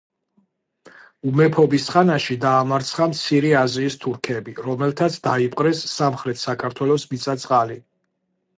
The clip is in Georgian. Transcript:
უმეფობის ხანაში დაამარცხა მცირე აზიის თურქები, რომელთაც დაიპყრეს სამხრეთ საქართველოს მიწა-წყალი.